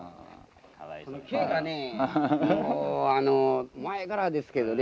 毛がね前からですけどね